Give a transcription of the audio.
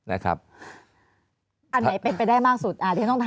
อันไหนเป็นไปได้มากสุดที่ต้องถามแบบนี้